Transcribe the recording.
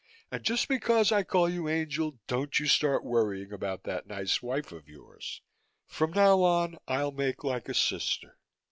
"And just because I call you angel don't you start worrying about that nice wife of yours. From now on, I'll make like a sister."